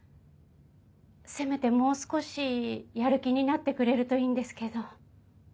せめてもう少しやる気になってくれるといいんですけど。